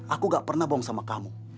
aku gak pernah bohong sama kamu